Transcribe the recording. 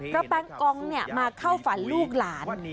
ก็แป๊กองเนี่ยมาเข้าฝันลูกหลาน